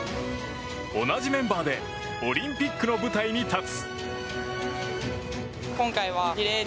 同じメンバーでオリンピックの舞台に立つ。